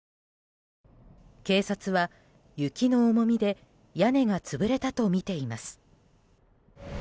警察は、雪の重みで屋根が潰れたとみています。